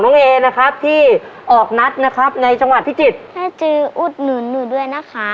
น้องน้องเอนะครับที่ออกนัดนะครับในจังหวัดพิจิตรเจอกรูดหนูด้วยนะคะ